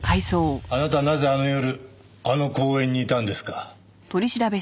あなたはなぜあの夜あの公園にいたんですか？